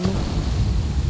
apa yang mau kau tanyakan